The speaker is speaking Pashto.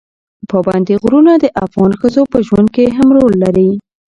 پابندي غرونه د افغان ښځو په ژوند کې هم رول لري.